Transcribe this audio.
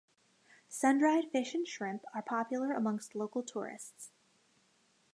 Sun-dried fish and shrimp are popular amongst local tourists.